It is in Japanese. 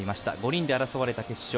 ５人で争われた決勝。